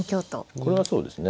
これはそうですね。